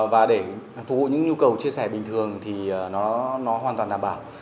và để phục vụ những nhu cầu chia sẻ bình thường thì nó hoàn toàn đảm bảo